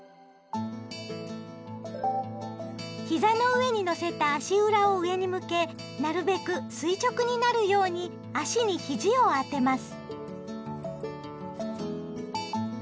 膝の上にのせた足裏を上に向けなるべく垂直になるように足にひじを当てます。